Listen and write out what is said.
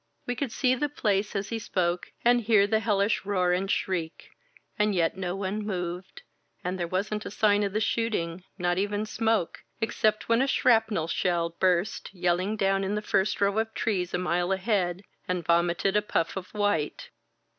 We could see the place as he spoke and hear the hellish roar and shriek, and yet no one moved, and there wasn't a sign of the shooting — ^not even smoke, except when a shrapnel shell burst yelling down in the first row of trees a mile ahead and vomited a puff of white.